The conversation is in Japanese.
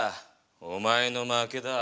お前の負けだ。